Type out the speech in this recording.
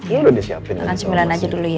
ini udah disiapin